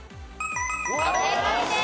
正解です。